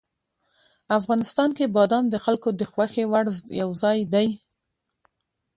افغانستان کې بادام د خلکو د خوښې وړ یو ځای دی.